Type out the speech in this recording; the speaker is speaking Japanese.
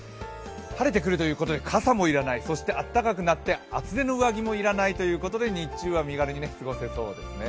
晴れてくるということで、傘も要らない、暖かくなって、厚手の上着も要らないということで、日中は身軽に過ごせそうですね。